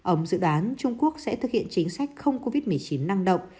ông dự đoán trung quốc sẽ thực hiện chính sách không covid một mươi chín năng động